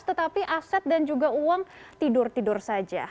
tetapi aset dan juga uang tidur tidur saja